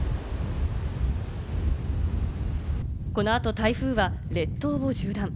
このあと台風が列島を縦断。